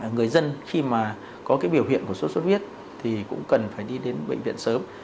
người dân khi mà có cái biểu hiện của sốt xuất huyết thì cũng cần phải đi đến bệnh viện sớm